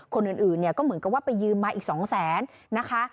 คนอื่นก็เหมือนกันว่าไปยืมมาอีก๒๐๐๐๐๐บาทนะคะ